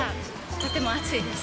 とても暑いです。